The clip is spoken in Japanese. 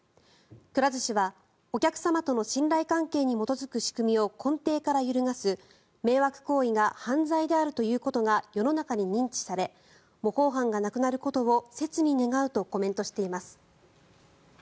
くら寿司はお客様との信頼関係に基づく仕組みを根底から揺るがす迷惑行為が犯罪であるということが世の中に認知され模倣犯がなくなることを切に願うとコメントしています。